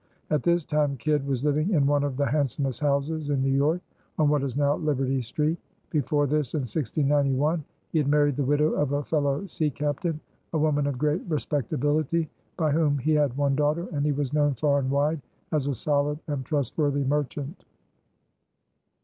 At this time Kidd was living in one of the handsomest houses in New York, on what is now Liberty Street. Before this, in 1691, he had married the widow of a fellow sea captain, a woman of great respectability, by whom he had one daughter, and he was known far and wide as a solid and trustworthy merchant.